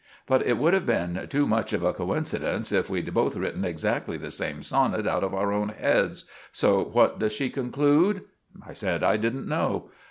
But it would have been to much of a coinsidence if we'd both written exsaxtly the same sonnit out of our own heads, so what does she conklude?" I said I didn't know.